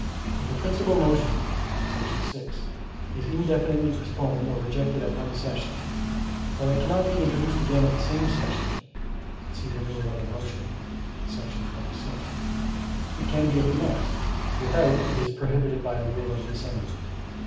If a principal motion [§ 6] is indefinitely postponed or rejected at one session, while it cannot be introduced again at the same session [see Renewal of a Motion, § 26], it can be at the next, without it is prohibited by a rule of the assembly.